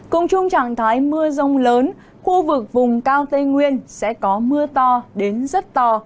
cùng chung trạng thái mưa rông lớn khu vực vùng cao tây nguyên sẽ có mưa to đến rất to